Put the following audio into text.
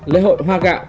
lễ hội hoa gạo